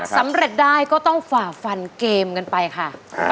สำเร็จได้ก็ต้องฝ่าฟันเกมกันไปค่ะ